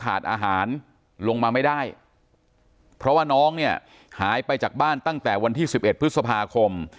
อาหารลงมาไม่ได้เพราะว่าน้องเนี่ยหายไปจากบ้านตั้งแต่วันที่๑๑พฤษภาคม